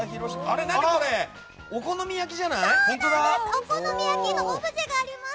お好み焼きのオブジェがあるんです。